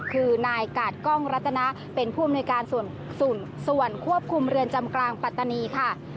คือนายกาดกล้องรัตนาเป็นผู้อำนวยการส่วนควบคุมเรือนจำกลางปัตตานีค่ะ